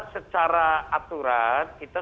secara aturan kita